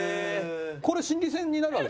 これ心理戦になるわけでしょ？